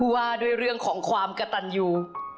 ว่าด้วยเรื่องของความกระตันอยู่